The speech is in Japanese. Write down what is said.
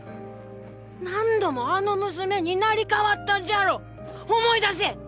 何度もあの娘になり変わったんじゃろ⁉思い出せッ！